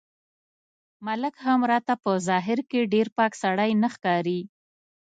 ملک هم راته په ظاهر کې ډېر پاک سړی نه ښکاري.